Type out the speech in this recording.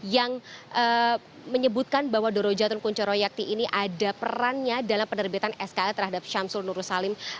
yang menyebutkan bahwa doro jatun kunchoroyakti ini ada perannya dalam penerbitan skl terhadap syamsul nur salim